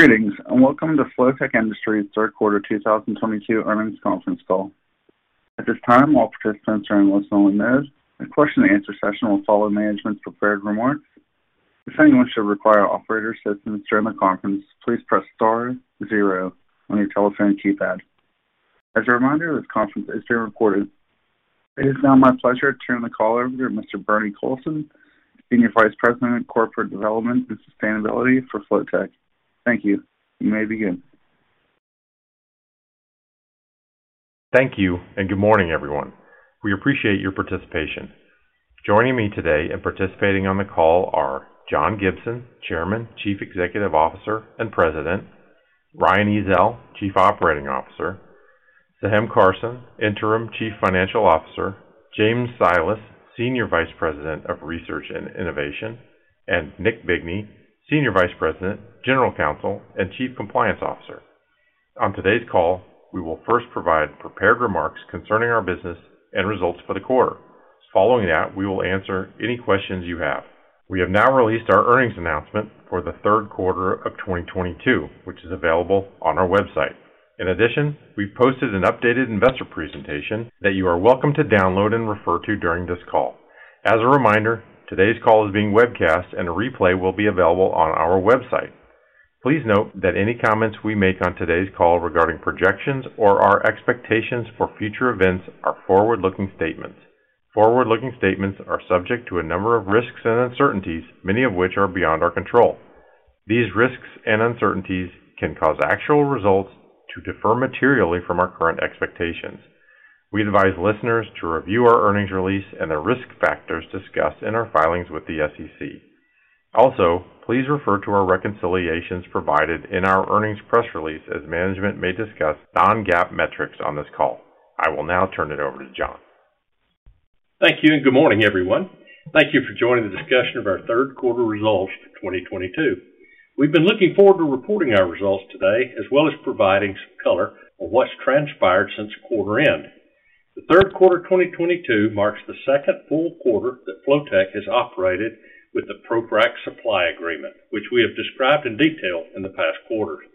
Greetings, and welcome to Flotek Industries' third quarter 2022 earnings conference call. At this time, all participants are in listen only mode. A question and answer session will follow management's prepared remarks. If anyone should require operator assistance during the conference, please press star zero on your telephone keypad. As a reminder, this conference is being recorded. It is now my pleasure to turn the call over to Mr. Bernie Colson, Senior Vice President of Corporate Development and Sustainability for Flotek. Thank you. You may begin. Thank you, and good morning, everyone. We appreciate your participation. Joining me today and participating on the call are John Gibson, Chairman, Chief Executive Officer and President, Ryan Ezell, Chief Operating Officer, Seham Carson, Interim Chief Financial Officer, James Silas, Senior Vice President of Research and Innovation, and Nick Bigney, Senior Vice President, General Counsel and Chief Compliance Officer. On today's call, we will first provide prepared remarks concerning our business and results for the quarter. Following that, we will answer any questions you have. We have now released our earnings announcement for the third quarter of 2022, which is available on our website. In addition, we've posted an updated investor presentation that you are welcome to download and refer to during this call. As a reminder, today's call is being webcast and a replay will be available on our website. Please note that any comments we make on today's call regarding projections or our expectations for future events are forward-looking statements. Forward-looking statements are subject to a number of risks and uncertainties, many of which are beyond our control. These risks and uncertainties can cause actual results to differ materially from our current expectations. We advise listeners to review our earnings release and the risk factors discussed in our filings with the SEC. Also, please refer to our reconciliations provided in our earnings press release as management may discuss non-GAAP metrics on this call. I will now turn it over to John. Thank you, and good morning, everyone. Thank you for joining the discussion of our third quarter results for 2022. We've been looking forward to reporting our results today, as well as providing some color on what's transpired since quarter end. The third quarter 2022 marks the second full quarter that Flotek has operated with the ProFrac supply agreement, which we have described in detail in the past quarters.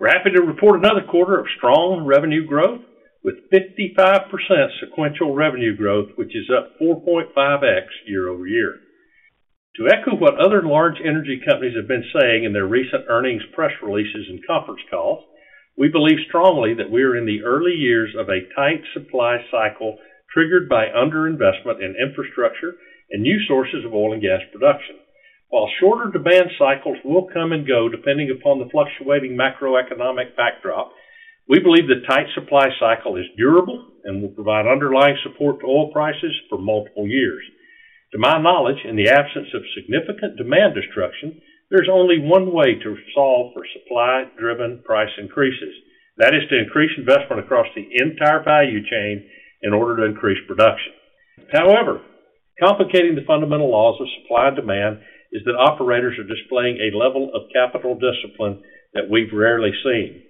We're happy to report another quarter of strong revenue growth with 55% sequential revenue growth, which is up 4.5x year-over-year. To echo what other large energy companies have been saying in their recent earnings press releases and conference calls, we believe strongly that we are in the early years of a tight supply cycle triggered by under-investment in infrastructure and new sources of oil and gas production. While shorter demand cycles will come and go depending upon the fluctuating macroeconomic backdrop, we believe the tight supply cycle is durable and will provide underlying support to oil prices for multiple years. To my knowledge, in the absence of significant demand destruction, there's only one way to solve for supply-driven price increases. That is to increase investment across the entire value chain in order to increase production. However, complicating the fundamental laws of supply and demand is that operators are displaying a level of capital discipline that we've rarely seen,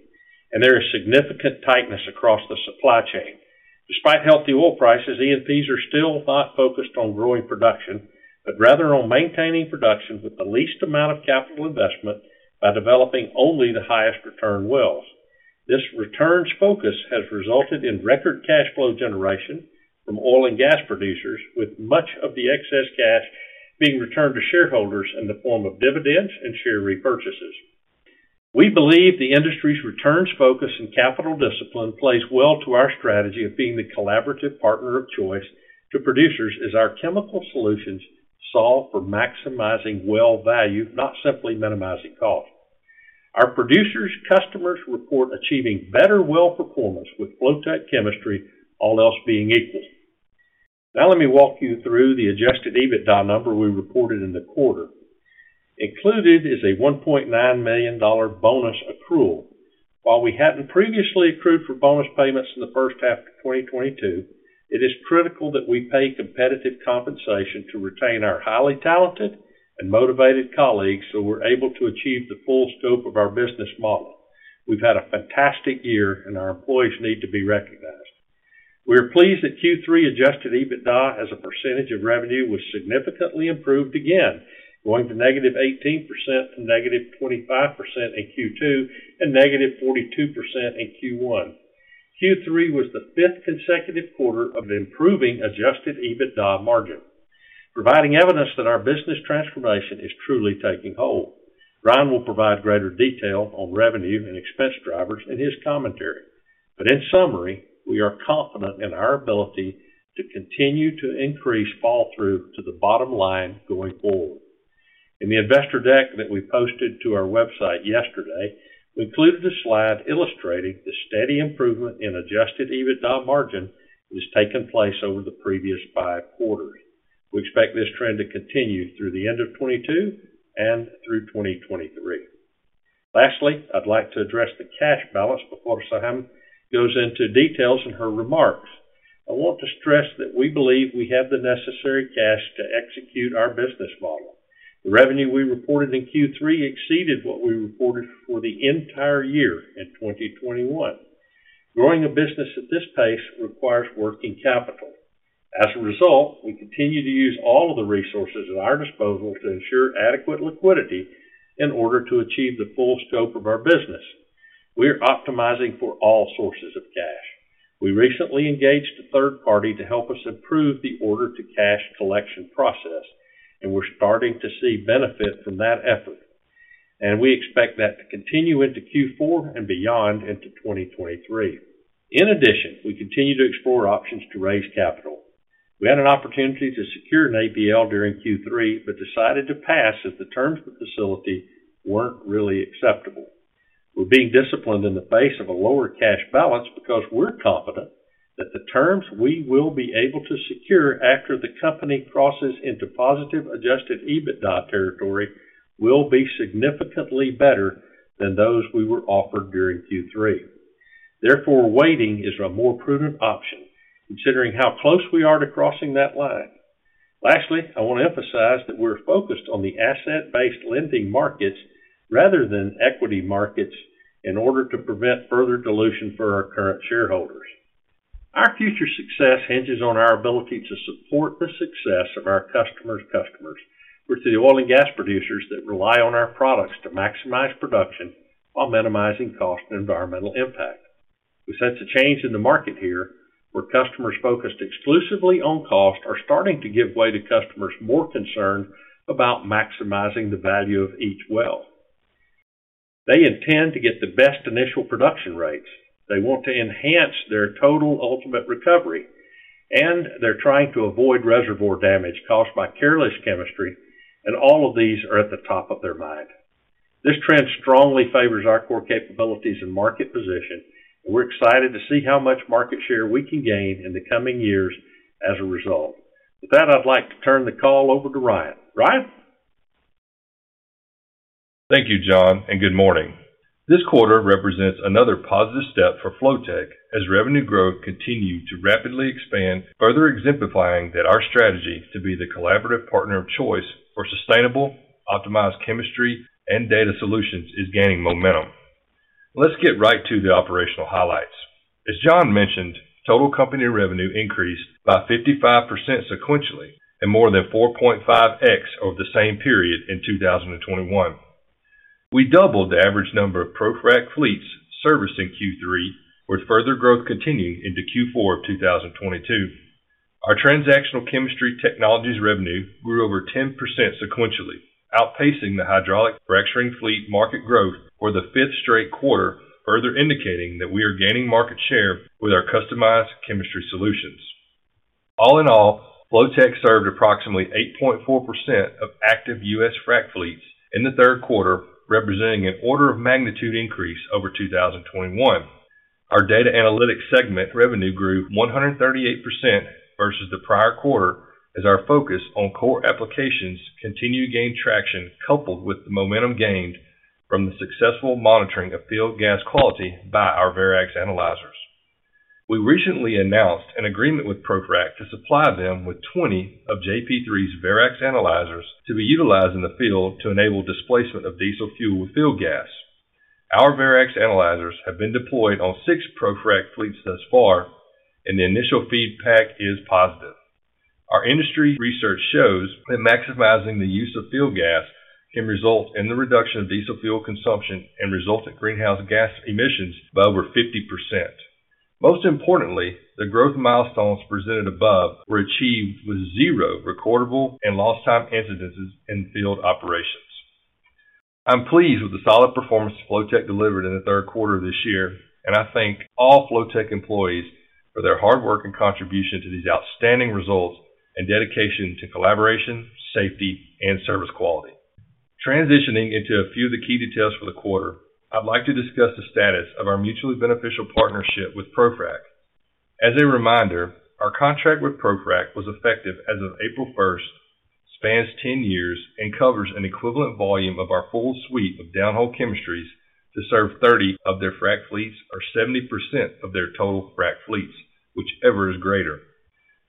and there is significant tightness across the supply chain. Despite healthy oil prices, E&Ps are still not focused on growing production, but rather on maintaining production with the least amount of capital investment by developing only the highest return wells. This returns focus has resulted in record cash flow generation from oil and gas producers, with much of the excess cash being returned to shareholders in the form of dividends and share repurchases. We believe the industry's returns focus and capital discipline plays well to our strategy of being the collaborative partner of choice to producers as our chemical solutions solve for maximizing well value, not simply minimizing cost. Our producer customers report achieving better well performance with Flotek chemistry, all else being equal. Now let me walk you through the Adjusted EBITDA number we reported in the quarter. Included is a $1.9 million bonus accrual. While we hadn't previously accrued for bonus payments in the first half of 2022, it is critical that we pay competitive compensation to retain our highly talented and motivated colleagues, so we're able to achieve the full scope of our business model. We've had a fantastic year, and our employees need to be recognized. We are pleased that Q3 Adjusted EBITDA as a percentage of revenue was significantly improved again, going to -18% to -25% in Q2, and -42% in Q1. Q3 was the fifth consecutive quarter of an improving Adjusted EBITDA margin, providing evidence that our business transformation is truly taking hold. Ryan will provide greater detail on revenue and expense drivers in his commentary. In summary, we are confident in our ability to continue to increase fall through to the bottom line going forward. In the investor deck that we posted to our website yesterday, we included a slide illustrating the steady improvement in Adjusted EBITDA margin that has taken place over the previous five quarters. We expect this trend to continue through the end of 2022 and through 2023. Lastly, I'd like to address the cash balance before Seham goes into details in her remarks. I want to stress that we believe we have the necessary cash to execute our business model. The revenue we reported in Q3 exceeded what we reported for the entire year in 2021. Growing a business at this pace requires working capital. As a result, we continue to use all of the resources at our disposal to ensure adequate liquidity in order to achieve the full scope of our business. We're optimizing for all sources of cash. We recently engaged a third party to help us improve the order-to-cash collection process, and we're starting to see benefit from that effort. We expect that to continue into Q4 and beyond into 2023. In addition, we continue to explore options to raise capital. We had an opportunity to secure an ABL during Q3, but decided to pass as the terms of the facility weren't really acceptable. We're being disciplined in the face of a lower cash balance because we're confident that the terms we will be able to secure after the company crosses into positive Adjusted EBITDA territory will be significantly better than those we were offered during Q3. Therefore, waiting is a more prudent option, considering how close we are to crossing that line. Lastly, I wanna emphasize that we're focused on the asset-based lending markets rather than equity markets in order to prevent further dilution for our current shareholders. Our future success hinges on our ability to support the success of our customers' customers with the oil and gas producers that rely on our products to maximize production while minimizing cost and environmental impact. We sense a change in the market here, where customers focused exclusively on cost are starting to give way to customers more concerned about maximizing the value of each well. They intend to get the best initial production rates. They want to enhance their total ultimate recovery, and they're trying to avoid reservoir damage caused by careless chemistry, and all of these are at the top of their mind. This trend strongly favors our core capabilities and market position. We're excited to see how much market share we can gain in the coming years as a result. With that, I'd like to turn the call over to Ryan. Ryan? Thank you, John, and good morning. This quarter represents another positive step for Flotek as revenue growth continued to rapidly expand, further exemplifying that our strategy to be the collaborative partner of choice for sustainable, optimized chemistry and data solutions is gaining momentum. Let's get right to the operational highlights. As John mentioned, total company revenue increased by 55% sequentially and more than 4.5x over the same period in 2021. We doubled the average number of ProFrac fleets serviced in Q3, with further growth continuing into Q4 of 2022. Our transactional chemistry technologies revenue grew over 10% sequentially, outpacing the hydraulic fracturing fleet market growth for the fifth straight quarter, further indicating that we are gaining market share with our customized chemistry solutions. All in all, Flotek served approximately 8.4% of active U.S. frac fleets in the third quarter, representing an order of magnitude increase over 2021. Our data analytics segment revenue grew 138% versus the prior quarter as our focus on core applications continue to gain traction, coupled with the momentum gained from the successful monitoring of field gas quality by our Verax analyzers. We recently announced an agreement with ProFrac to supply them with 20 of JP3's Verax analyzers to be utilized in the field to enable displacement of diesel fuel with field gas. Our Verax analyzers have been deployed on six ProFrac fleets thus far, and the initial feedback is positive. Our industry research shows that maximizing the use of field gas can result in the reduction of diesel fuel consumption and resultant greenhouse gas emissions by over 50%. Most importantly, the growth milestones presented above were achieved with zero recordable and lost time incidents in field operations. I'm pleased with the solid performance Flotek delivered in the third quarter of this year, and I thank all Flotek employees for their hard work and contribution to these outstanding results and dedication to collaboration, safety, and service quality. Transitioning into a few of the key details for the quarter, I'd like to discuss the status of our mutually beneficial partnership with ProFrac. As a reminder, our contract with ProFrac was effective as of April 1st, spans 10 years, and covers an equivalent volume of our full suite of downhole chemistries to serve 30 of their frac fleets or 70% of their total frac fleets, whichever is greater.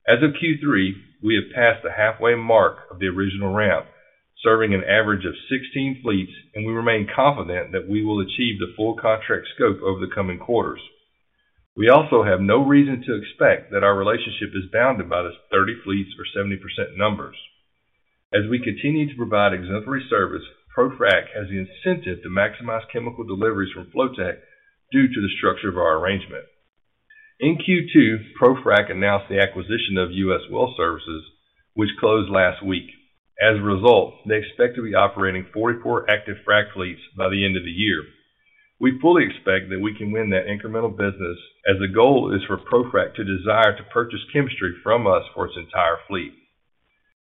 As of Q3, we have passed the halfway mark of the original ramp, serving an average of 16 fleets, and we remain confident that we will achieve the full contract scope over the coming quarters. We also have no reason to expect that our relationship is bounded by the 30 fleets or 70% numbers. As we continue to provide exemplary service, ProFrac has the incentive to maximize chemical deliveries from Flotek due to the structure of our arrangement. In Q2, ProFrac announced the acquisition of U.S. Well Services, which closed last week. As a result, they expect to be operating 44 active frac fleets by the end of the year. We fully expect that we can win that incremental business as the goal is for ProFrac to desire to purchase chemistry from us for its entire fleet.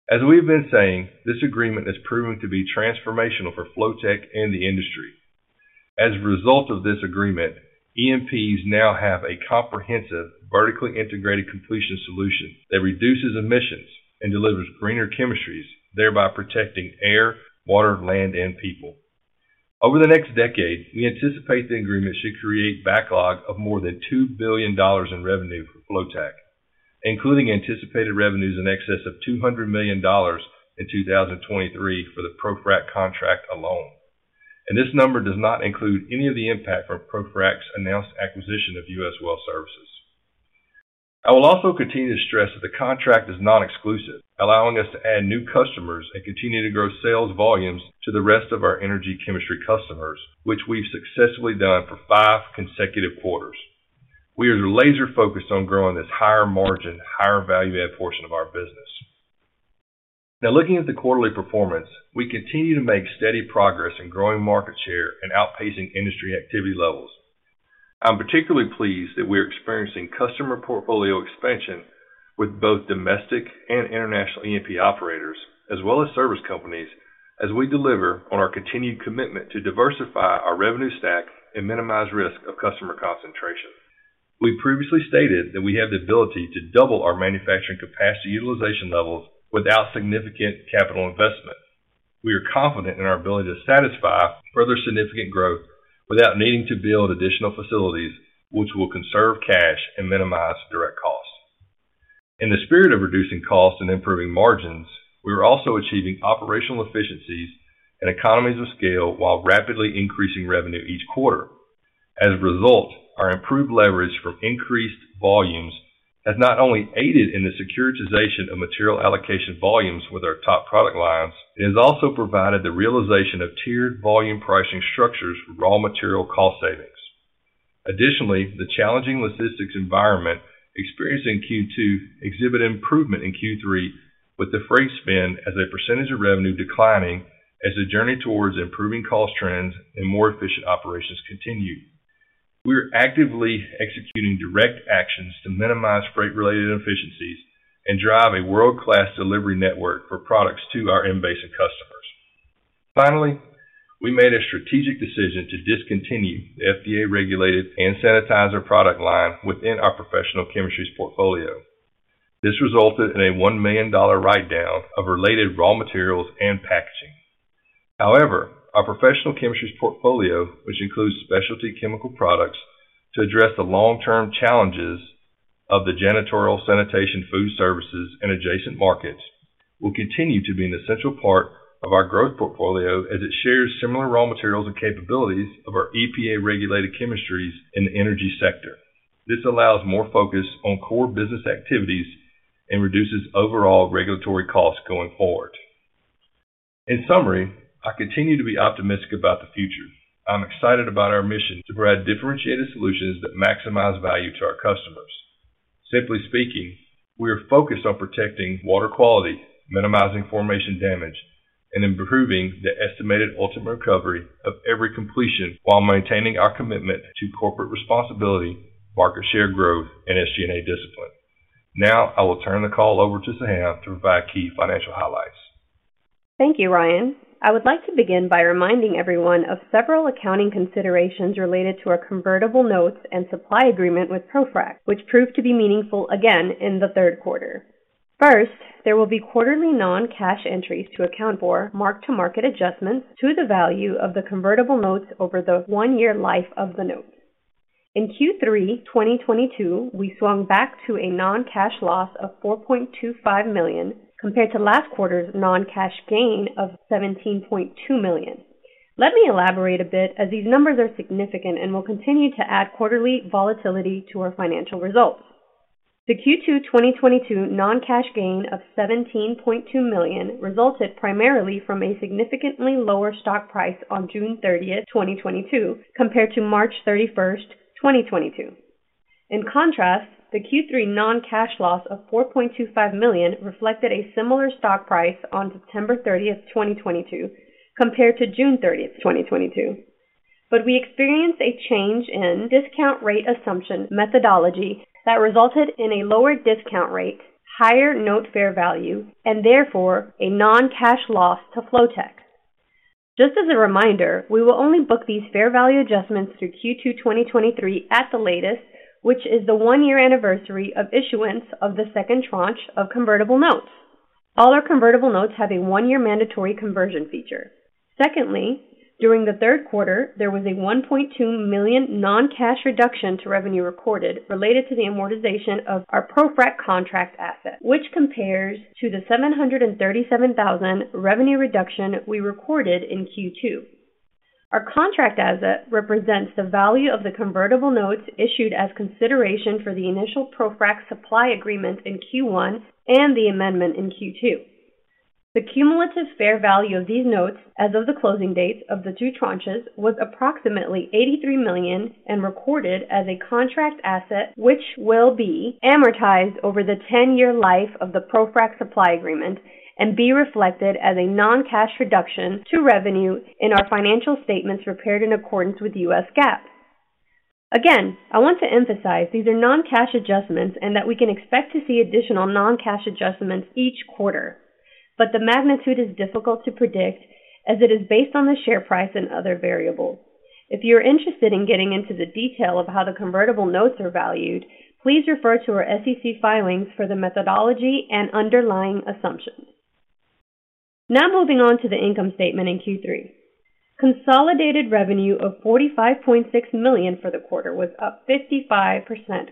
As we've been saying, this agreement has proven to be transformational for Flotek and the industry. As a result of this agreement, E&Ps now have a comprehensive, vertically integrated completion solution that reduces emissions and delivers greener chemistries, thereby protecting air, water, land, and people. Over the next decade, we anticipate the agreement should create backlog of more than $2 billion in revenue for Flotek. Including anticipated revenues in excess of $200 million in 2023 for the ProFrac contract alone. This number does not include any of the impact from ProFrac's announced acquisition of U.S. Well Services. I will also continue to stress that the contract is non-exclusive, allowing us to add new customers and continue to grow sales volumes to the rest of our energy chemistry customers, which we've successfully done for five consecutive quarters. We are laser-focused on growing this higher margin, higher value-add portion of our business. Now looking at the quarterly performance, we continue to make steady progress in growing market share and outpacing industry activity levels. I'm particularly pleased that we are experiencing customer portfolio expansion with both domestic and international E&P operators, as well as service companies, as we deliver on our continued commitment to diversify our revenue stack and minimize risk of customer concentration. We previously stated that we have the ability to double our manufacturing capacity utilization levels without significant capital investment. We are confident in our ability to satisfy further significant growth without needing to build additional facilities, which will conserve cash and minimize direct costs. In the spirit of reducing costs and improving margins, we are also achieving operational efficiencies and economies of scale while rapidly increasing revenue each quarter. As a result, our improved leverage from increased volumes has not only aided in the securitization of material allocation volumes with our top product lines, it has also provided the realization of tiered volume pricing structures for raw material cost savings. Additionally, the challenging logistics environment experienced in Q2 exhibited improvement in Q3 with the freight spend as a percentage of revenue declining as the journey towards improving cost trends and more efficient operations continue. We are actively executing direct actions to minimize freight-related inefficiencies and drive a world-class delivery network for products to our end basin customers. Finally, we made a strategic decision to discontinue the FDA-regulated hand sanitizer product line within our professional chemistries portfolio. This resulted in a $1 million write-down of related raw materials and packaging. However, our professional chemistries portfolio, which includes specialty chemical products to address the long-term challenges of the janitorial sanitation food services and adjacent markets, will continue to be an essential part of our growth portfolio as it shares similar raw materials and capabilities of our EPA-regulated chemistries in the energy sector. This allows more focus on core business activities and reduces overall regulatory costs going forward. In summary, I continue to be optimistic about the future. I'm excited about our mission to provide differentiated solutions that maximize value to our customers. Simply speaking, we are focused on protecting water quality, minimizing formation damage, and improving the estimated ultimate recovery of every completion while maintaining our commitment to corporate responsibility, market share growth, and SG&A discipline. Now, I will turn the call over to Seham to provide key financial highlights. Thank you, Ryan. I would like to begin by reminding everyone of several accounting considerations related to our convertible notes and supply agreement with ProFrac, which proved to be meaningful again in the third quarter. First, there will be quarterly non-cash entries to account for mark-to-market adjustments to the value of the convertible notes over the one-year life of the note. In Q3 2022, we swung back to a non-cash loss of $4.25 million compared to last quarter's non-cash gain of $17.2 million. Let me elaborate a bit as these numbers are significant and will continue to add quarterly volatility to our financial results. The Q2 2022 non-cash gain of $17.2 million resulted primarily from a significantly lower stock price on June 30th, 2022 compared to March 31st, 2022. In contrast, the Q3 non-cash loss of $4.25 million reflected a similar stock price on September 30, 2022 compared to June 30, 2022. We experienced a change in discount rate assumption methodology that resulted in a lower discount rate, higher note fair value, and therefore a non-cash loss to Flotek. Just as a reminder, we will only book these fair value adjustments through Q2 2023 at the latest, which is the one-year anniversary of issuance of the second tranche of convertible notes. All our convertible notes have a one-year mandatory conversion feature. Secondly, during the third quarter, there was a $1.2 million non-cash reduction to revenue recorded related to the amortization of our ProFrac contract asset, which compares to the $737 thousand revenue reduction we recorded in Q2. Our contract asset represents the value of the convertible notes issued as consideration for the initial ProFrac supply agreement in Q1 and the amendment in Q2. The cumulative fair value of these notes as of the closing dates of the two tranches was approximately $83 million and recorded as a contract asset, which will be amortized over the 10-year life of the ProFrac supply agreement and be reflected as a non-cash reduction to revenue in our financial statements prepared in accordance with the U.S. GAAP. Again, I want to emphasize these are non-cash adjustments and that we can expect to see additional non-cash adjustments each quarter. The magnitude is difficult to predict as it is based on the share price and other variables. If you're interested in getting into the detail of how the convertible notes are valued, please refer to our SEC filings for the methodology and underlying assumptions. Now moving on to the income statement in Q3. Consolidated revenue of $45.6 million for the quarter was up 55%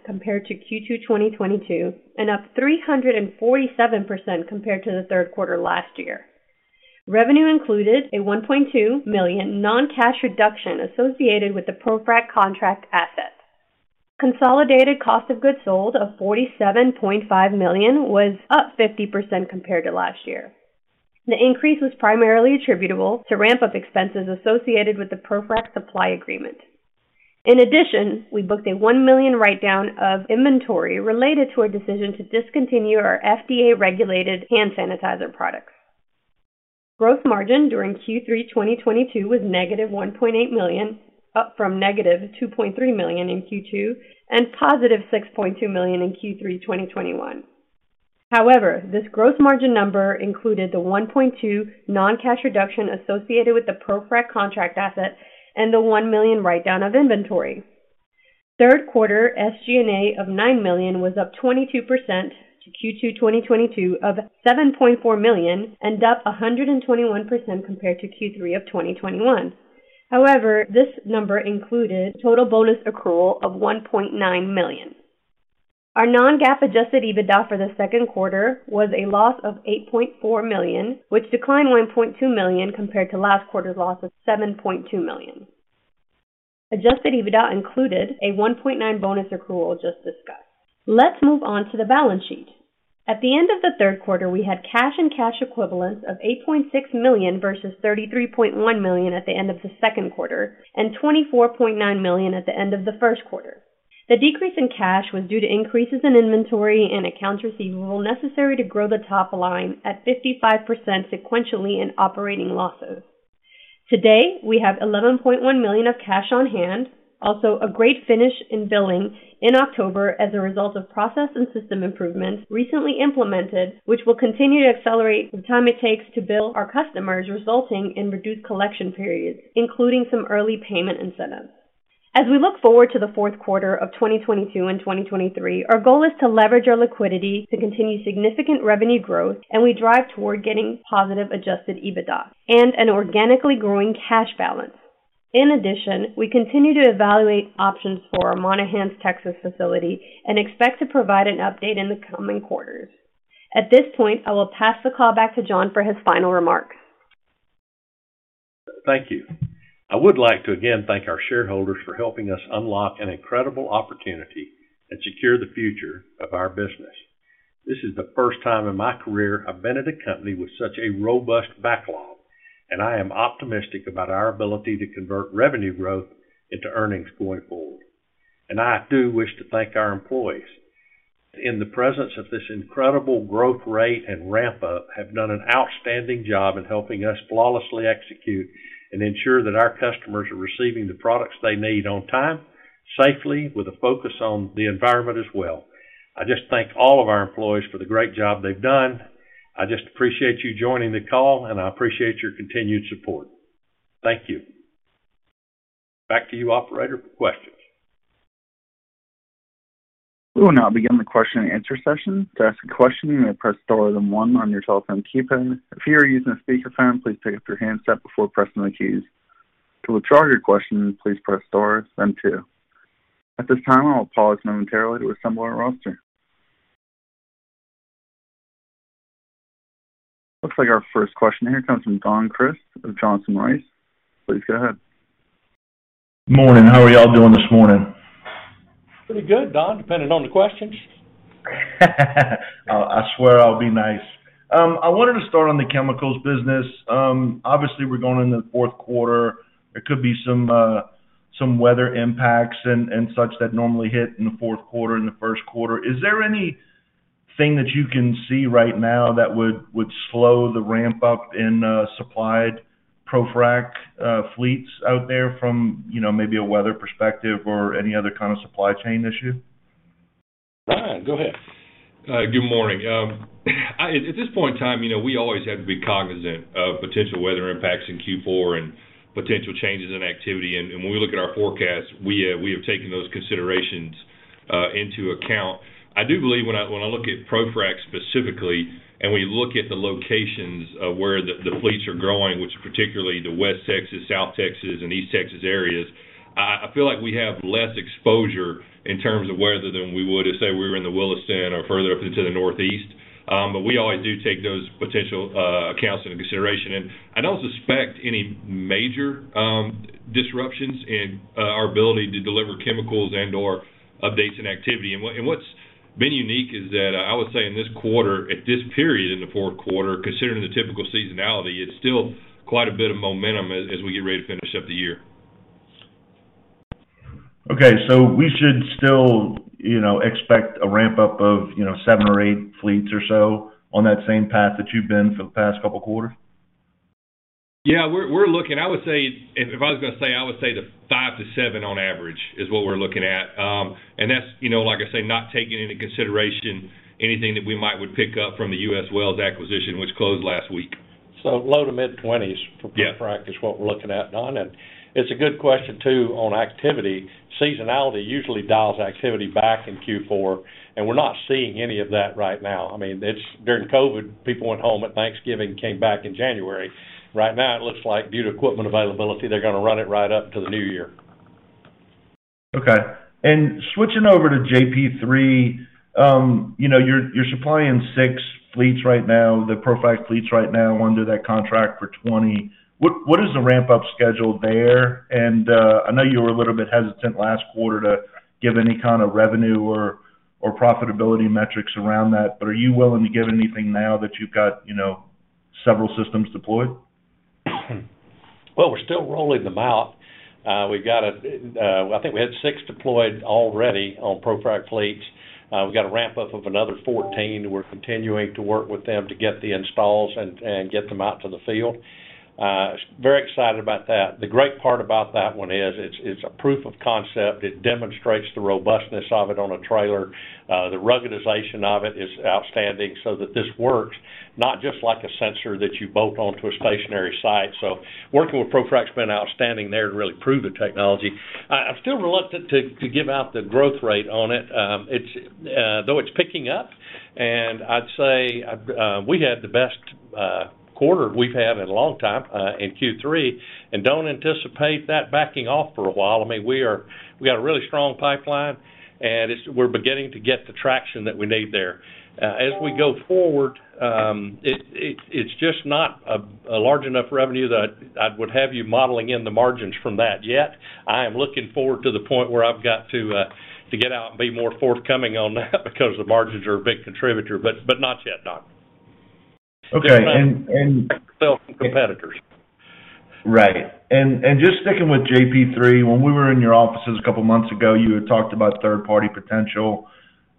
compared to Q2 2022 and up 347% compared to the third quarter last year. Revenue included a $1.2 million non-cash reduction associated with the ProFrac contract asset. Consolidated cost of goods sold of $47.5 million was up 50% compared to last year. The increase was primarily attributable to ramp-up expenses associated with the ProFrac supply agreement. In addition, we booked a $1 million write-down of inventory related to a decision to discontinue our FDA-regulated hand sanitizer products. Gross margin during Q3 2022 was -$1.8 million, up from -$2.3 million in Q2 and +$6.2 million in Q3 2021. However, this gross margin number included the $1.2 non-cash reduction associated with the ProFrac contract asset and the $1 million write-down of inventory. Third quarter SG&A of $9 million was up 22% to Q2 2022 of $7.4 million and up 121% compared to Q3 of 2021. However, this number included total bonus accrual of $1.9 million. Our non-GAAP Adjusted EBITDA for the second quarter was a loss of $8.4 million, which declined $1.2 million compared to last quarter's loss of $7.2 million. Adjusted EBITDA included a $1.9 bonus accrual just discussed. Let's move on to the balance sheet. At the end of the third quarter, we had cash and cash equivalents of $8.6 million versus $33.1 million at the end of the second quarter and $24.9 million at the end of the first quarter. The decrease in cash was due to increases in inventory and accounts receivable necessary to grow the top line at 55% sequentially and operating losses. Today, we have $11.1 million of cash on hand. Also, a great finish in billing in October as a result of process and system improvements recently implemented, which will continue to accelerate the time it takes to bill our customers, resulting in reduced collection periods, including some early payment incentives. As we look forward to the fourth quarter of 2022 and 2023, our goal is to leverage our liquidity to continue significant revenue growth, and we drive toward getting positive Adjusted EBITDA and an organically growing cash balance. In addition, we continue to evaluate options for our Monahans, Texas facility and expect to provide an update in the coming quarters. At this point, I will pass the call back to John for his final remarks. Thank you. I would like to again thank our shareholders for helping us unlock an incredible opportunity and secure the future of our business. This is the first time in my career I've been at a company with such a robust backlog, and I am optimistic about our ability to convert revenue growth into earnings going forward. I do wish to thank our employees. In the presence of this incredible growth rate and ramp up, they have done an outstanding job in helping us flawlessly execute and ensure that our customers are receiving the products they need on time, safely, with a focus on the environment as well. I just thank all of our employees for the great job they've done. I just appreciate you joining the call, and I appreciate your continued support. Thank you. Back to you, operator, for questions. We will now begin the question and answer session. To ask a question, you may press star then one on your telephone keypad. If you are using a speakerphone, please pick up your handset before pressing the keys. To withdraw your question, please press star then two. At this time, I will pause momentarily to assemble our roster. Looks like our first question here comes from Don Crist of Johnson Rice. Please go ahead. Morning. How are y'all doing this morning? Pretty good, Don, depending on the questions. I swear I'll be nice. I wanted to start on the chemicals business. Obviously, we're going in the fourth quarter. There could be some weather impacts and such that normally hit in the fourth quarter and the first quarter. Is there anything that you can see right now that would slow the ramp-up in supplied ProFrac fleets out there from, you know, maybe a weather perspective or any other kind of supply chain issue? Don, go ahead. Good morning. At this point in time, you know, we always have to be cognizant of potential weather impacts in Q4 and potential changes in activity. When we look at our forecast, we have taken those considerations into account. I do believe when I look at ProFrac specifically, and we look at the locations of where the fleets are growing, which are particularly the West Texas, South Texas, and East Texas areas, I feel like we have less exposure in terms of weather than we would if, say, we were in the Williston or further up into the Northeast. But we always do take those potential impacts into consideration. I don't suspect any major disruptions in our ability to deliver chemicals and/or changes in activity. What's been unique is that I would say in this quarter, at this period in the fourth quarter, considering the typical seasonality, it's still quite a bit of momentum as we get ready to finish up the year. Okay. We should still, you know, expect a ramp-up of, you know, 7 or 8 fleets or so on that same path that you've been for the past couple quarters? We're looking. I would say the 5-7 on average is what we're looking at. That's, you know, like I say, not taking into consideration anything that we might would pick up from the U.S. Well Services acquisition, which closed last week. Low- to mid-20s. Yeah For ProFrac is what we're looking at, Don. It's a good question, too, on activity. Seasonality usually dials activity back in Q4, and we're not seeing any of that right now. I mean, it's during COVID, people went home at Thanksgiving, came back in January. Right now, it looks like due to equipment availability, they're gonna run it right up to the new year. Okay. Switching over to JP3, you know, you're supplying six fleets right now, the ProFrac fleets right now under that contract for 2020. What is the ramp-up schedule there? I know you were a little bit hesitant last quarter to give any kind of revenue or profitability metrics around that, but are you willing to give anything now that you've got, you know, several systems deployed? Well, we're still rolling them out. We've got. I think we had 6 deployed already on ProFrac fleets. We've got a ramp-up of another 14. We're continuing to work with them to get the installs and get them out to the field. Very excited about that. The great part about that one is it's a proof of concept. It demonstrates the robustness of it on a trailer. The ruggedization of it is outstanding so that this works, not just like a sensor that you bolt onto a stationary site. Working with ProFrac's been outstanding there to really prove the technology. I'm still reluctant to give out the growth rate on it. It's picking up, though, and I'd say we had the best quarter we've had in a long time in Q3, and don't anticipate that backing off for a while. I mean, we got a really strong pipeline, and we're beginning to get the traction that we need there. As we go forward, it's just not a large enough revenue that I'd have you modeling in the margins from that yet. I am looking forward to the point where I've got to get out and be more forthcoming on that because the margins are a big contributor, but not yet, Don. Okay. Sell to competitors. Right. Just sticking with JP3, when we were in your offices a couple months ago, you had talked about third-party potential.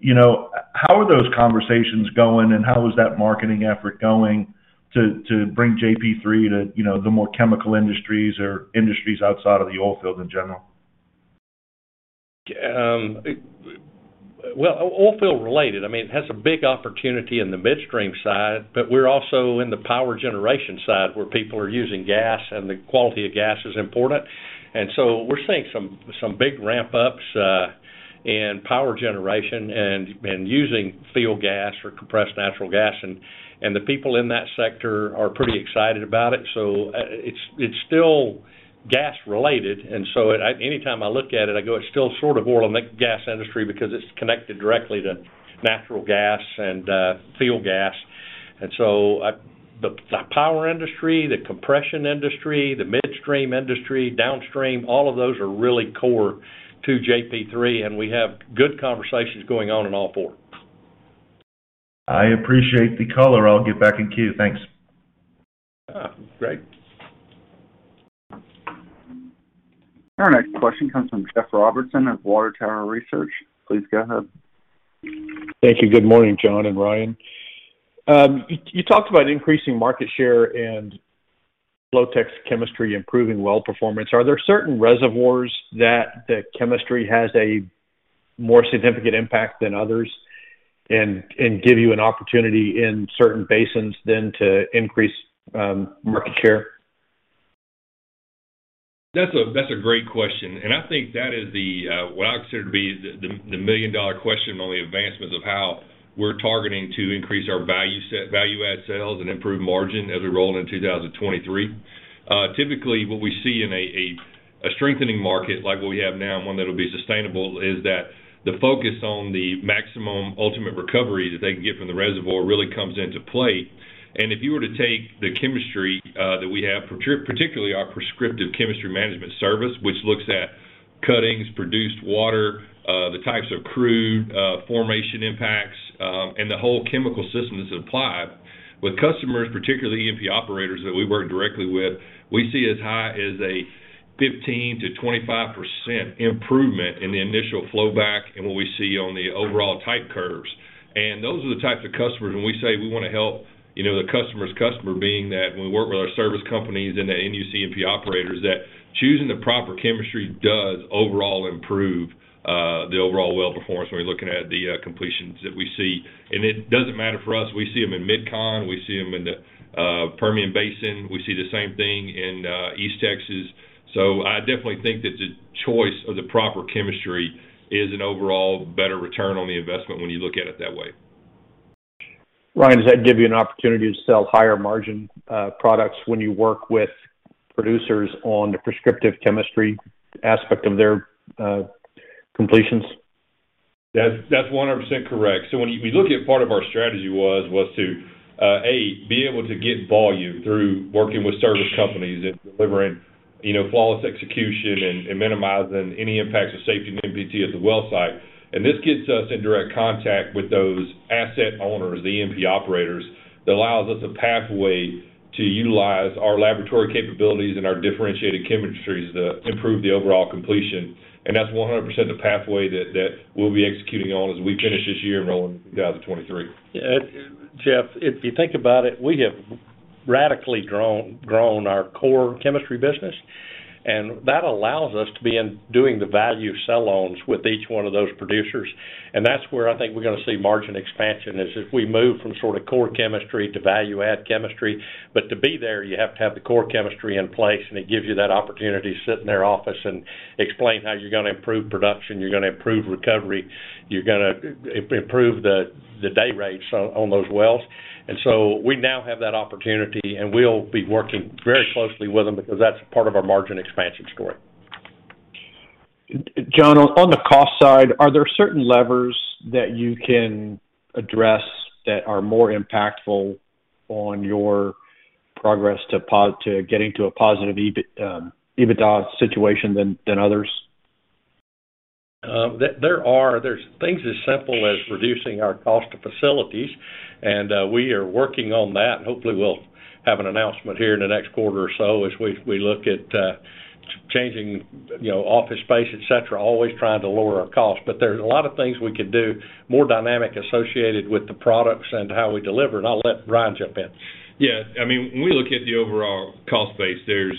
You know, how are those conversations going, and how is that marketing effort going to bring JP3 to, you know, the more chemical industries or industries outside of the oil field in general? Well, oil field-related, I mean, it has a big opportunity in the midstream side, but we're also in the power generation side where people are using gas, and the quality of gas is important. We're seeing some big ramp-ups in power generation and using field gas or compressed natural gas. The people in that sector are pretty excited about it. It's still gas-related. Anytime I look at it, I go, "It's still sort of oil and gas industry because it's connected directly to natural gas and field gas." The power industry, the compression industry, the midstream industry, downstream, all of those are really core to JP3, and we have good conversations going on in all four. I appreciate the color. I'll get back in queue. Thanks. Yeah. Great. Our next question comes from Jeff Robertson of Water Tower Research. Please go ahead. Thank you. Good morning, John and Ryan. You talked about increasing market share and Flotek chemistry improving well performance. Are there certain reservoirs that the chemistry has a more significant impact than others and give you an opportunity in certain basins then to increase market share? That's a great question. I think that is what I consider to be the million-dollar question on the advancements of how we're targeting to increase our value set, value-add sales and improve margin as we roll into 2023. Typically, what we see in a strengthening market like what we have now and one that'll be sustainable is that the focus on the maximum ultimate recovery that they can get from the reservoir really comes into play. If you were to take the chemistry that we have, particularly our Prescriptive Chemistry Management service, which looks at cuttings, produced water, the types of crude, formation impacts, and the whole chemical system that's applied, with customers, particularly E&P operators that we work directly with, we see as high as a 15%-25% improvement in the initial flow back and what we see on the overall type curves. Those are the types of customers when we say we wanna help, you know, the customer's customer being that when we work with our service companies and the independent E&P operators, that choosing the proper chemistry does overall improve the overall well performance when you're looking at the completions that we see. It doesn't matter for us. We see them in MidCon, we see them in the Permian Basin. We see the same thing in East Texas. I definitely think that the choice of the proper chemistry is an overall better return on the investment when you look at it that way. Ryan, does that give you an opportunity to sell higher margin products when you work with producers on the Prescriptive Chemistry aspect of their completions? That's 100% correct. We look at part of our strategy was to be able to get volume through working with service companies and delivering, you know, flawless execution and minimizing any impacts of safety and NPT at the well site. This gets us in direct contact with those asset owners, the E&P operators, that allows us a pathway to utilize our laboratory capabilities and our differentiated chemistries to improve the overall completion. That's 100% the pathway that we'll be executing on as we finish this year and roll into 2023. Yeah. Jeff, if you think about it, we have radically grown our core chemistry business, and that allows us to be in doing the value selling with each one of those producers. That's where I think we're gonna see margin expansion is if we move from sort of core chemistry to value-add chemistry. To be there, you have to have the core chemistry in place, and it gives you that opportunity to sit in their office and explain how you're gonna improve production, you're gonna improve recovery, you're gonna improve the day rates on those wells. We now have that opportunity, and we'll be working very closely with them because that's part of our margin expansion story. John, on the cost side, are there certain levers that you can address that are more impactful on your progress to getting to a positive EBITDA situation than others? There are things as simple as reducing our cost of facilities, and we are working on that. Hopefully, we'll have an announcement here in the next quarter or so as we look at changing, you know, office space, et cetera, always trying to lower our costs. There's a lot of things we could do, more dynamic associated with the products and how we deliver, and I'll let Ryan jump in. Yeah. I mean, when we look at the overall cost base, there's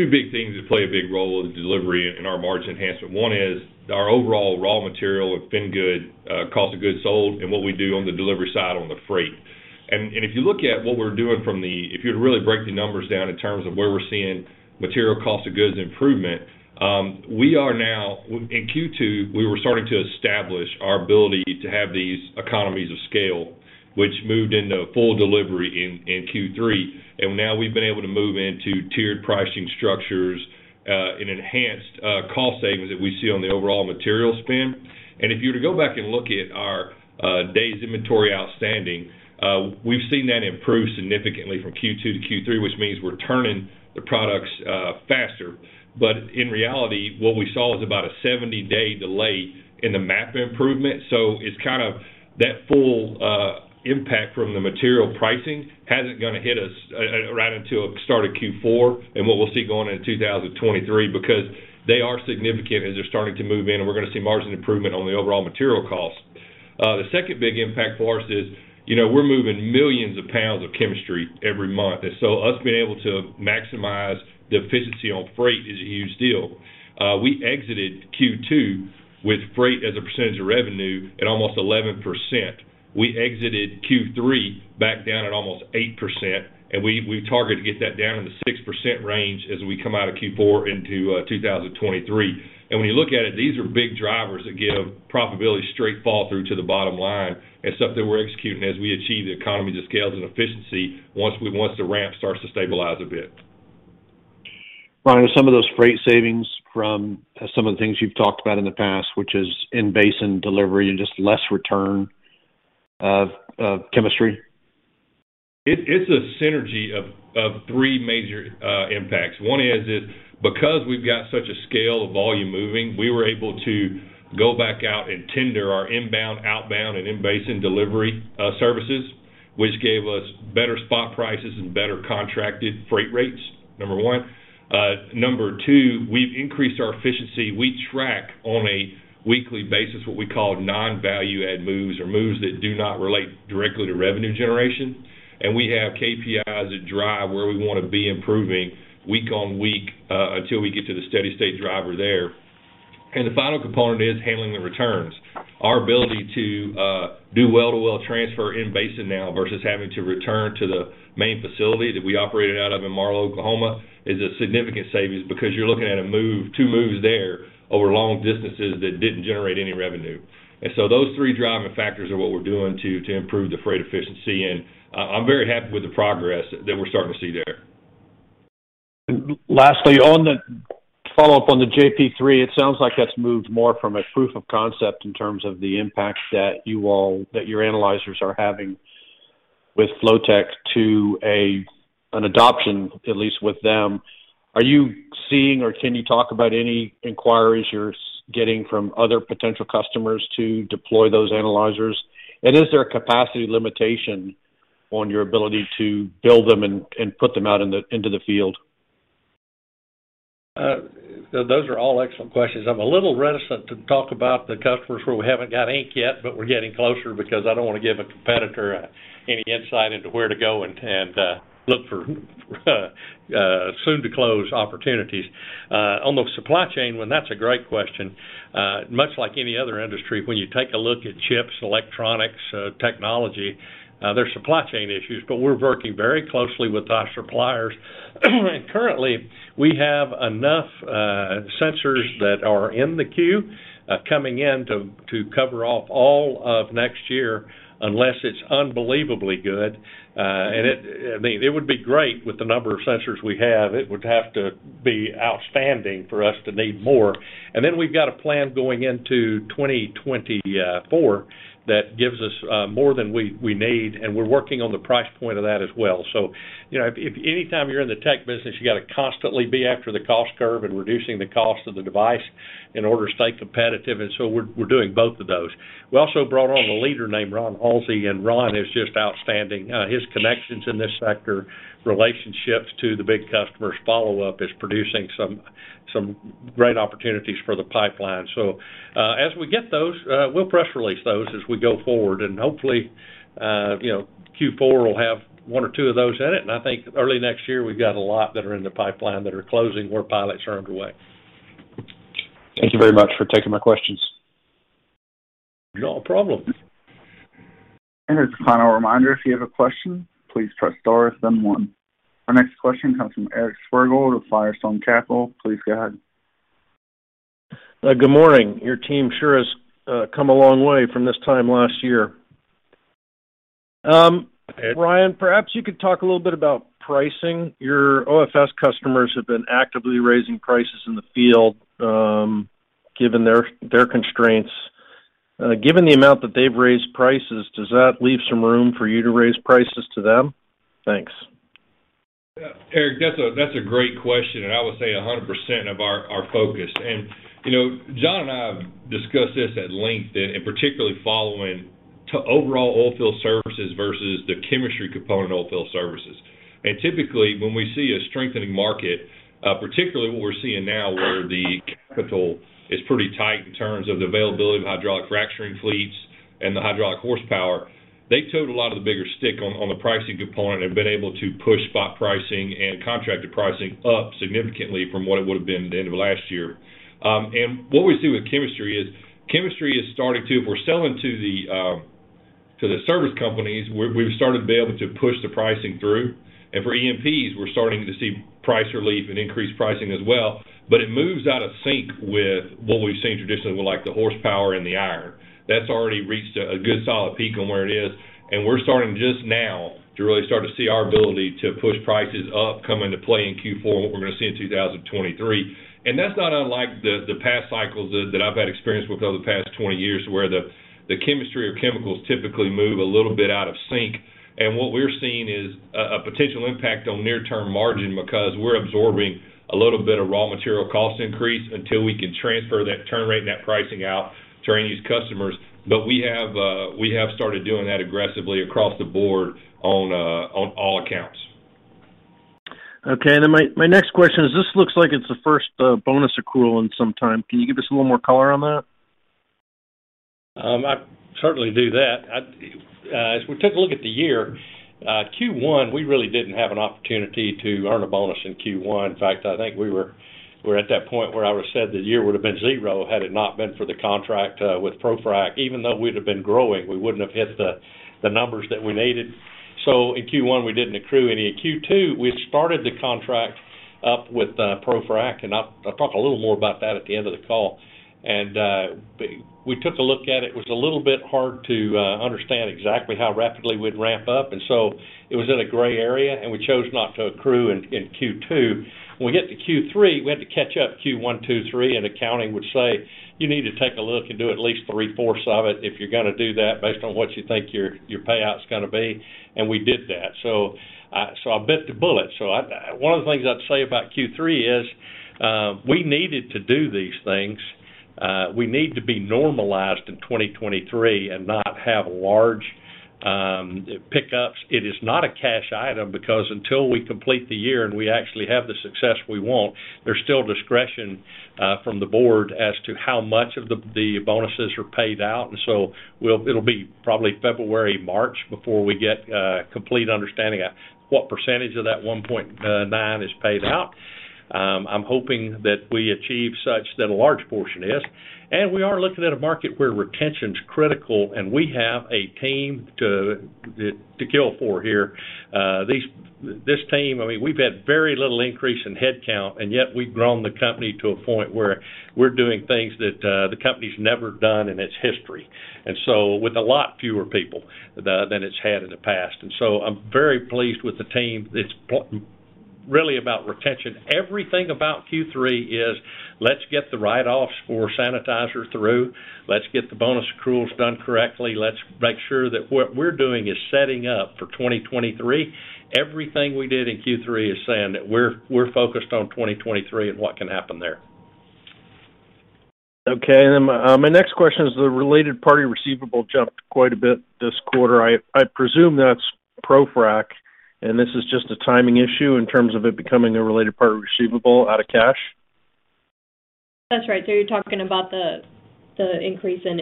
two big things that play a big role in delivery and in our margin enhancement. One is our overall raw material have been good, cost of goods sold and what we do on the delivery side on the freight. If you look at what we're doing. If you'd really break the numbers down in terms of where we're seeing material cost of goods improvement, we are now. In Q2, we were starting to establish our ability to have these economies of scale, which moved into full delivery in Q3. Now we've been able to move into tiered pricing structures, and enhanced cost savings that we see on the overall material spend. If you were to go back and look at our days inventory outstanding, we've seen that improve significantly from Q2 to Q3, which means we're turning the products faster. In reality, what we saw was about a 70-day delay in the margin improvement. It's kind of that full impact from the material pricing hasn't gonna hit us right until start of Q4 and what we'll see going into 2023 because they are significant as they're starting to move in. We're gonna see margin improvement on the overall material costs. The second big impact for us is, you know, we're moving millions of pounds of chemistry every month. Us being able to maximize the efficiency on freight is a huge deal. We exited Q2 with freight as a percentage of revenue at almost 11%. We exited Q3 back down at almost 8%, and we've targeted to get that down in the 6% range as we come out of Q4 into 2023. When you look at it, these are big drivers that give profitability straight flow through to the bottom line. It's something we're executing as we achieve the economies of scale and efficiency once the ramp starts to stabilize a bit. Ryan, are some of those freight savings from some of the things you've talked about in the past, which is in-basin delivery and just less return of chemistry? It's a synergy of three major impacts. One is that because we've got such a scale of volume moving, we were able to go back out and tender our inbound, outbound, and in-basin delivery services, which gave us better spot prices and better contracted freight rates, number one. Number two, we've increased our efficiency. We track on a weekly basis what we call non-value add moves or moves that do not relate directly to revenue generation. We have KPIs that drive where we wanna be improving week on week, until we get to the steady state driver there. The final component is handling the returns. Our ability to do well-to-well transfer in basin now versus having to return to the main facility that we operated out of in Marlow, Oklahoma, is a significant savings because you're looking at a move, two moves there over long distances that didn't generate any revenue. Those three driving factors are what we're doing to improve the freight efficiency, and I'm very happy with the progress that we're starting to see there. Lastly, on the follow-up on the JP3, it sounds like that's moved more from a proof of concept in terms of the impact that your analyzers are having with Flotek to an adoption, at least with them. Are you seeing, or can you talk about any inquiries you're getting from other potential customers to deploy those analyzers? Is there a capacity limitation on your ability to build them and put them out into the field? Those are all excellent questions. I'm a little reticent to talk about the customers where we haven't got ink yet, but we're getting closer because I don't wanna give a competitor any insight into where to go and look for soon to close opportunities. On the supply chain one, that's a great question. Much like any other industry, when you take a look at chips, electronics, technology, there's supply chain issues, but we're working very closely with our suppliers. Currently, we have enough sensors that are in the queue coming in to cover off all of next year unless it's unbelievably good. I mean, it would be great with the number of sensors we have. It would have to be outstanding for us to need more. We've got a plan going into 2024 that gives us more than we need, and we're working on the price point of that as well. You know, if anytime you're in the tech business, you gotta constantly be after the cost curve and reducing the cost of the device in order to stay competitive. We're doing both of those. We also brought on a leader named Ron Halsey, and Ron is just outstanding. His connections in this sector, relationships to the big customers, follow-up, is producing some great opportunities for the pipeline. As we get those, we'll press release those as we go forward. Hopefully, you know, Q4 will have one or two of those in it. I think early next year we've got a lot that are in the pipeline that are closing where pilots are underway. Thank you very much for taking my questions. Not a problem. As a final reminder, if you have a question, please press star, then one. Our next question comes from Eric Swergold with Firestorm Capital. Please go ahead. Good morning. Your team sure has come a long way from this time last year. Ryan, perhaps you could talk a little bit about pricing. Your OFS customers have been actively raising prices in the field, given their constraints. Given the amount that they've raised prices, does that leave some room for you to raise prices to them? Thanks. Yeah. Eric, that's a great question, and I would say 100% of our focus. You know, John and I have discussed this at length, particularly focusing on overall oilfield services versus the chemistry component of oilfield services. Typically, when we see a strengthening market, particularly what we're seeing now where the capital is pretty tight in terms of the availability of hydraulic fracturing fleets and the hydraulic horsepower, they hold a lot of the bigger stick on the pricing component and have been able to push spot pricing and contracted pricing up significantly from what it would've been at the end of last year. What we see with chemistry is, chemistry is starting to. If we're selling to the service companies, we've started to be able to push the pricing through. For E&Ps, we're starting to see price relief and increased pricing as well. It moves out of sync with what we've seen traditionally with, like, the horsepower and the iron. That's already reached a good solid peak on where it is, and we're starting just now to really start to see our ability to push prices up come into play in Q4, what we're gonna see in 2023. That's not unlike the past cycles that I've had experience with over the past 20 years, where the chemistry or chemicals typically move a little bit out of sync. What we're seeing is a potential impact on near-term margin because we're absorbing a little bit of raw material cost increase until we can transfer that turn rate and that pricing out to our end use customers. We have started doing that aggressively across the board on all accounts. Okay. My next question is, this looks like it's the first bonus accrual in some time. Can you give us a little more color on that? I'd certainly do that. As we took a look at the year, Q1, we really didn't have an opportunity to earn a bonus in Q1. In fact, I think we were at that point where I would've said the year would've been zero had it not been for the contract with ProFrac. Even though we'd have been growing, we wouldn't have hit the numbers that we needed. In Q1, we didn't accrue any. In Q2, we started the contract up with ProFrac, and I'll talk a little more about that at the end of the call. We took a look at it. It was a little bit hard to understand exactly how rapidly we'd ramp up. It was in a gray area, and we chose not to accrue in Q2. When we get to Q3, we had to catch up Q1, Q2, Q3, and accounting would say, "You need to take a look and do at least 3/4 of it if you're gonna do that based on what you think your payout's gonna be." We did that. I bit the bullet. One of the things I'd say about Q3 is, we needed to do these things. We need to be normalized in 2023 and not have large pickups. It is not a cash item because until we complete the year and we actually have the success we want, there's still discretion from the board as to how much of the bonuses are paid out. It'll be probably February, March before we get a complete understanding of what percentage of that $1.9 is paid out. I'm hoping that we achieve such that a large portion is. We are looking at a market where retention's critical, and we have a team to kill for here. This team, I mean, we've had very little increase in headcount, and yet we've grown the company to a point where we're doing things that the company's never done in its history. With a lot fewer people than it's had in the past. I'm very pleased with the team. It's really about retention. Everything about Q3 is, let's get the write-offs for sanitizer through. Let's get the bonus accruals done correctly. Let's make sure that what we're doing is setting up for 2023. Everything we did in Q3 is saying that we're focused on 2023 and what can happen there. Okay. My next question is the related party receivable jumped quite a bit this quarter. I presume that's ProFrac, and this is just a timing issue in terms of it becoming a related party receivable out of cash. That's right. You're talking about the increase in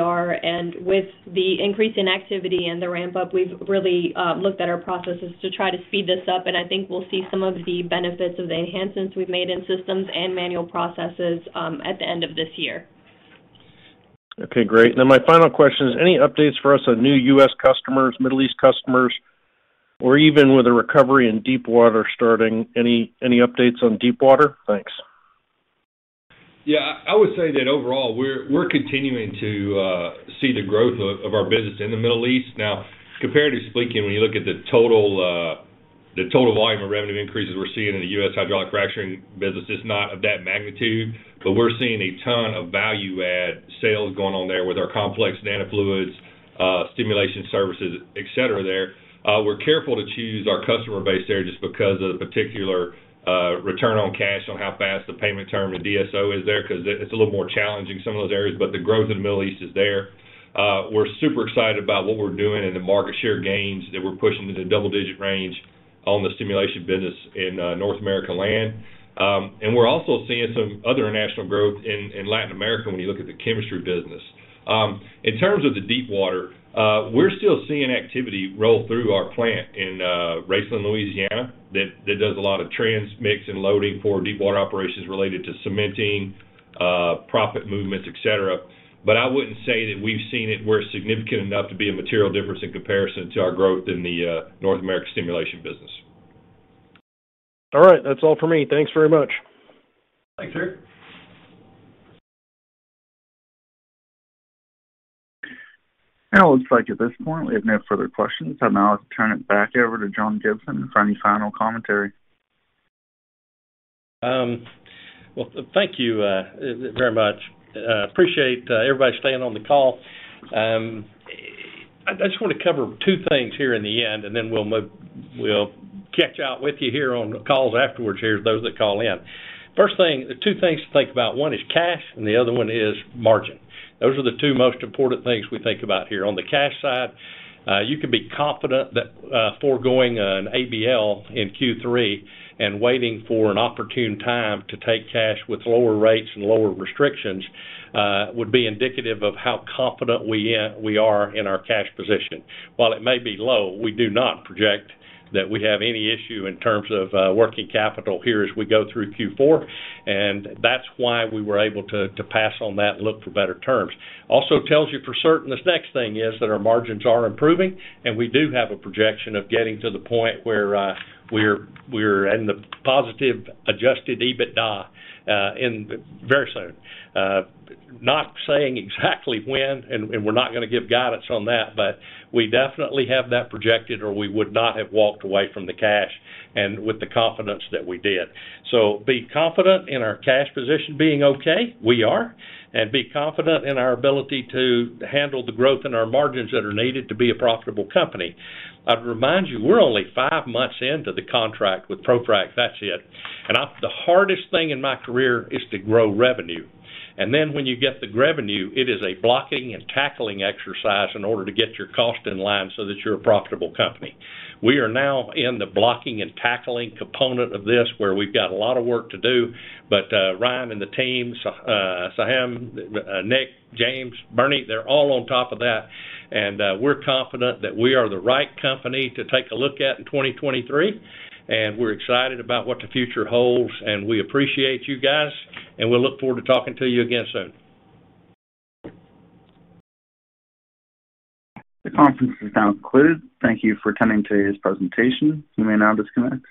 AR. With the increase in activity and the ramp up, we've really looked at our processes to try to speed this up. I think we'll see some of the benefits of the enhancements we've made in systems and manual processes at the end of this year. Okay. Great. Now my final question is, any updates for us on new U.S. customers, Middle East customers, or even with the recovery in Deepwater starting, any updates on Deepwater? Thanks. Yeah. I would say that overall, we're continuing to see the growth of our business in the Middle East. Now, comparatively speaking, when you look at the total, the total volume of revenue increases we're seeing in the U.S. hydraulic fracturing business is not of that magnitude. We're seeing a ton of value add sales going on there with our complex nanofluids, stimulation services, et cetera there. We're careful to choose our customer base there just because of the particular, return on cash on how fast the payment term and DSO is there, 'cause it's a little more challenging some of those areas, but the growth in the Middle East is there. We're super excited about what we're doing and the market share gains that we're pushing into the double-digit range on the stimulation business in, North America land. We're also seeing some other international growth in Latin America when you look at the chemistry business. In terms of the Deepwater, we're still seeing activity roll through our plant in Raceland, Louisiana, that does a lot of transmix and loading for Deepwater operations related to cementing proppant movements, et cetera. I wouldn't say that we've seen it where it's significant enough to be a material difference in comparison to our growth in the North America stimulation business. All right. That's all for me. Thanks very much. Thanks, Eric. It looks like at this point we have no further questions. I'll now turn it back over to John Gibson for any final commentary. Well, thank you very much. Appreciate everybody staying on the call. I just want to cover two things here in the end, and then we'll catch up with you here on calls afterwards here, those that call in. First thing, the two things to think about, one is cash and the other one is margin. Those are the two most important things we think about here. On the cash side, you can be confident that foregoing an ABL in Q3 and waiting for an opportune time to take cash with lower rates and lower restrictions would be indicative of how confident we are in our cash position. While it may be low, we do not project that we have any issue in terms of working capital here as we go through Q4. That's why we were able to pass on that and look for better terms. Also tells you for certain, this next thing is that our margins are improving, and we do have a projection of getting to the point where we're in the positive Adjusted EBITDA, and very soon. Not saying exactly when, and we're not gonna give guidance on that, but we definitely have that projected or we would not have walked away from the cash and with the confidence that we did. Be confident in our cash position being okay, we are. Be confident in our ability to handle the growth in our margins that are needed to be a profitable company. I'd remind you, we're only five months into the contract with ProFrac. That's it. The hardest thing in my career is to grow revenue. Then when you get the revenue, it is a blocking and tackling exercise in order to get your cost in line so that you're a profitable company. We are now in the blocking and tackling component of this where we've got a lot of work to do. Ryan and the team, Seham, Nick, James, Bernie, they're all on top of that. We're confident that we are the right company to take a look at in 2023, and we're excited about what the future holds. We appreciate you guys, and we look forward to talking to you again soon. The conference is now concluded. Thank you for attending today's presentation. You may now disconnect.